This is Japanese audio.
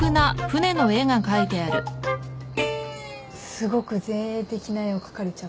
すごく前衛的な絵を描かれちゃって。